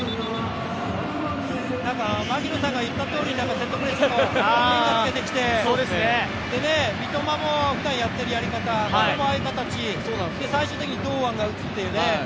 槙野さんの言ったとおりのセットプレーで三笘も普段やっているやり方、それもああいう形、最終的に堂安が打つというね。